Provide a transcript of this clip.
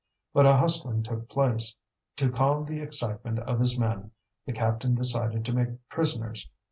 But a hustling took place. To calm the excitement of his men, the captain decided to make prisoners.